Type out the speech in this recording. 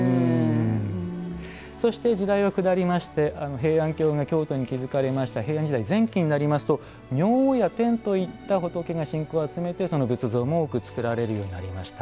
そして、時代は下りまして平安京が京都に築かれました平安時代前期になりますと明王や天といった仏が信仰を集めてその仏像も多く造られるようになりました。